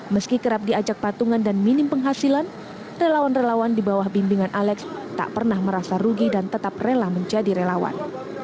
meski kerap diajak patungan dan minim penghasilan relawan relawan di bawah bimbingan alex tak pernah merasa rugi dan tetap rela menjadi relawan